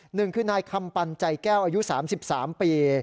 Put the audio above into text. หนึ่งคือนายคำปันใจแก้วอายุ๓๓ปี